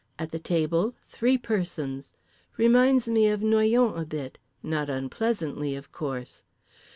At the table three persons. Reminds me of Noyon a bit, not unpleasantly of course.